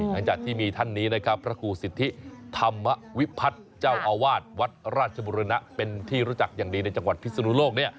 หลังจากที่มีท่านนี้นะครับพระครูสิทธิธรรมวิพัฒน์เจ้าอาวาสวัดราชบุรณะเป็นที่รู้จักอย่างดีในจังหวัดพิศนุโลก